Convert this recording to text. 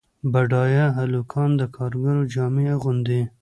بډایه هلکان د کارګرو جامې اغوندي.